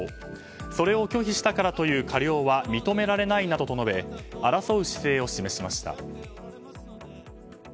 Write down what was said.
それを拒否したからという過料は認められないなどとして争う姿勢を示しました。